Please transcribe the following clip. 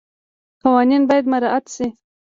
قوانین باید مراعات شي.